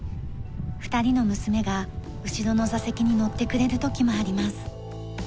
２人の娘が後ろの座席に乗ってくれる時もあります。